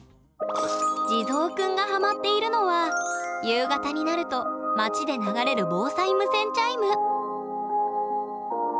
地蔵くんがハマっているのは夕方になると街で流れる防災無線チャイム。